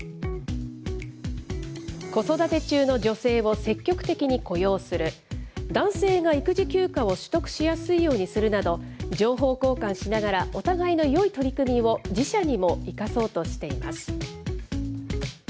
子育て中の女性を積極的に雇用する、男性が育児休暇を取得しやすいようにするなど、情報交換しながら、お互いのよい取り組みを自社にも生かそうとしています。